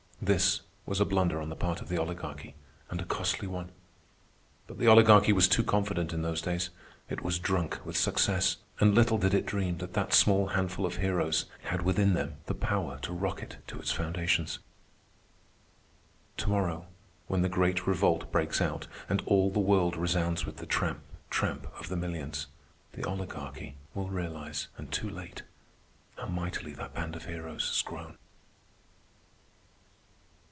This was a blunder on the part of the Oligarchy, and a costly one. But the Oligarchy was too confident in those days. It was drunk with success, and little did it dream that that small handful of heroes had within them the power to rock it to its foundations. To morrow, when the Great Revolt breaks out and all the world resounds with the tramp, tramp of the millions, the Oligarchy will realize, and too late, how mightily that band of heroes has grown.